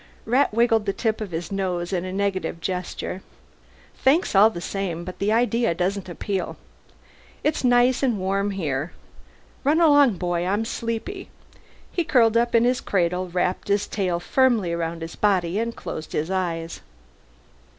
Rat wiggled the tip of his nose in a negative gesture. "Thanks all the same, but the idea doesn't appeal. It's nice and warm here. Run along, boy; I'm sleepy." He curled up in his cradle, wrapped his tail firmly around his body, and closed his eyes.